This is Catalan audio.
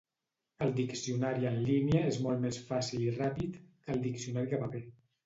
El diccionari en línia és molt més fàcil i ràpid que el diccionari de paper.